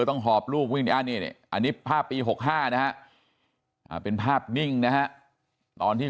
ต้องห่อบลูกอันนี้อันนี้ภาพปี๕๕นะเป็นภาพนิ่งนะในโค้กที่